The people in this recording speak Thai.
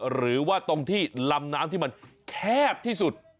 หรือว่าตรงที่ลำน้ำที่มันแคบที่สุด